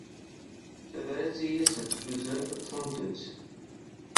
Tabrat i asent-d-tuzen ṭṭfent-tt.